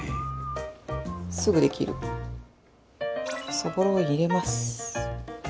そぼろを入れます。